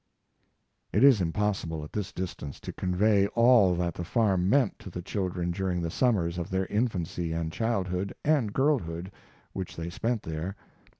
It is impossible, at this distance, to convey all that the farm meant to the children during the summers of their infancy and childhood and girlhood which they spent there.